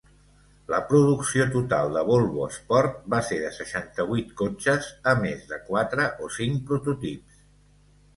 La producció total de "Volvo Sport" va ser de seixanta-vuit cotxes, a més de quatre o cinc prototips.